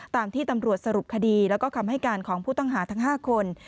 ตามที่ตำรวจสรุปคดีแล้วก็คำให้การของผู้ต้องหาทั้ง๕คน